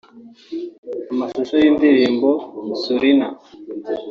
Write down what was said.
Amashusho y’indirimbo ‘Sorina’